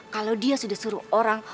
kalau dia sudah suruh orang